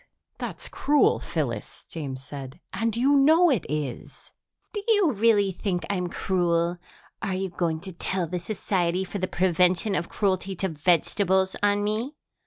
"That's cruel, Phyllis," James said, "and you know it is." "Do you really think I'm cruel? Are you going to tell the Society for the Prevention of Cruelty to Vegetables on me?